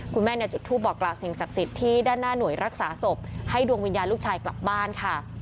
คุณแม่จุดทูปบอกกล่าวสิ่งศักดิ์สิทธิ์ที่ด้านหน้าหน่วยรักษาศพให้ดวงวิญญาณลูกชายกลับบ้านค่ะ